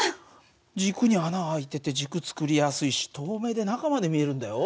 軸に穴開いてて軸作りやすいし透明で中まで見えるんだよ。